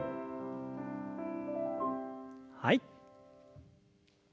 はい。